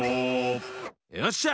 よっしゃ！